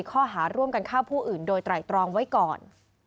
ข้อหาร่วมกันฆ่าผู้อื่นโดยไตรตรองไว้ก่อน